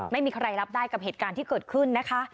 ไม่มีใครรับได้กับเหตุการณ์ที่เกิดขึ้นนะคะ